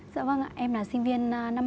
dạ vâng ạ em là sinh viên năm hai